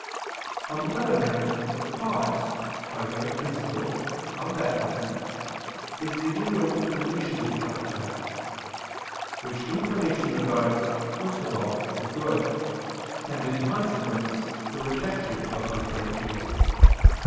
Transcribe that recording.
On the other hand, the cause, by way of principle, of that movement, is the inward inclination of the appetite; which inclination regards, first of all, the good, and in consequence, the rejection of a contrary evil.